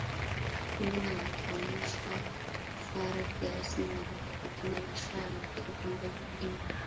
Kundi la Wakilisha Sara Kiasi maarufu kwa jina la Shaa anakiri kwamba Jay Dee